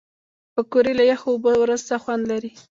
پکورې له یخو اوبو وروسته خوند لري